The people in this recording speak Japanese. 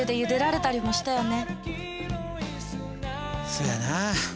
そやな。